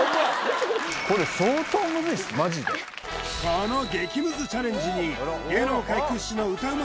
これこの激ムズチャレンジに歌うま